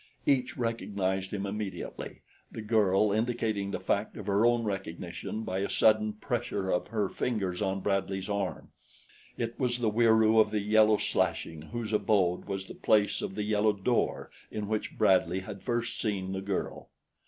Each recognized him immediately, the girl indicating the fact of her own recognition by a sudden pressure of her fingers on Bradley's arm. It was the Wieroo of the yellow slashing whose abode was the place of the yellow door in which Bradley had first seen the girl.